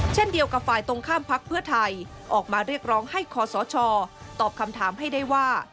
เช่นเดียวกับฝ่ายตรงข้ามพักเพื่อไทยออกมาเรียกร้องให้คอสชตอบคำถามให้ได้ว่า